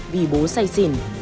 vì bố say xỉn